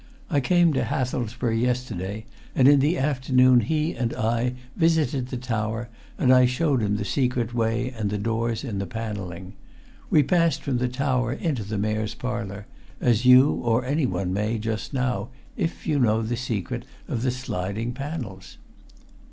I came to Hathelsborough yesterday, and in the afternoon he and I visited the tower and I showed him the secret way and the doors in the panelling. We passed from the tower into the Mayor's Parlour as you or anyone may, just now, if you know the secret of the sliding panels."